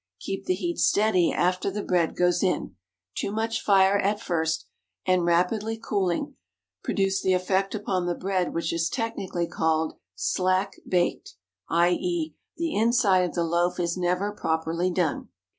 Keep the heat steady after the bread goes in. Too much fire at first, and rapidly cooling, produce the effect upon the bread which is technically called "slack baked," i. e., the inside of the loaf is never properly done.